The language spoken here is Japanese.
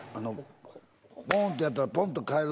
ポン！ってやったらポンと返る。